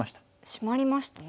シマりましたね。